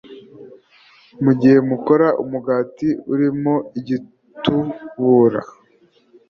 Mu gihe mukora umugati urimo igitubura,